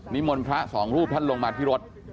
มนต์พระสองรูปท่านลงมาที่รถ